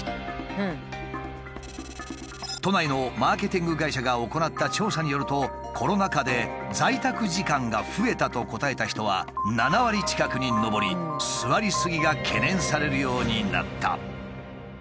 都内のマーケティング会社が行った調査によると「コロナ禍で在宅時間が増えた」と答えた人は７割近くに上り座りすぎが懸念されるようになった。